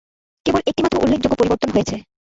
কেবল একটিমাত্র উল্লেখযোগ্য পরিবর্তন হয়েছে।